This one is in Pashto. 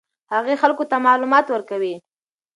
هغې خلکو ته معلومات ورکوي.